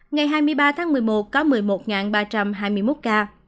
ngày hai mươi ba tháng một mươi một có một mươi một ba trăm hai mươi một ca